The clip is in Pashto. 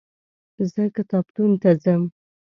زه کتابتون ته ځم.